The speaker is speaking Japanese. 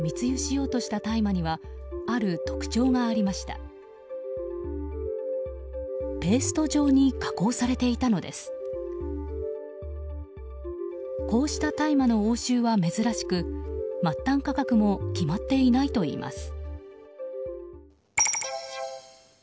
こうした大麻の押収は珍しく末端価格も決まっていないといいます。